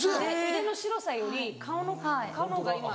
腕の白さより顔のほうが今。